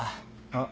あっ。